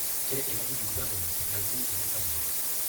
Quel est l’avis du Gouvernement ? L’avis est défavorable.